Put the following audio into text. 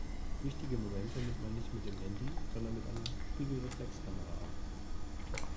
Wichtige Momente nimmt man nicht mit dem Handy, sondern mit einer Spiegelreflexkamera auf.